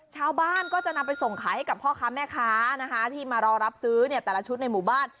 ชาวบ้านก็จะนำไปส่งขายให้กับพ่อค้าแม่ค้านะคะที่มารอรับซื้อเนี่ยแต่ละชุดในหมู่บ้าน